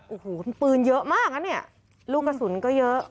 โอ้โหคุณปืนเยอะมากนะเนี่ยลูกกระสุนก็เยอะ